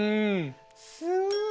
すごい。